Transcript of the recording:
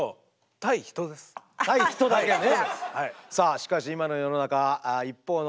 対人だけね。